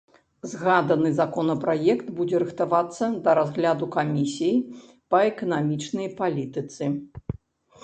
Згаданы законапраект будзе рыхтавацца да разгляду камісіяй па эканамічнай палітыцы.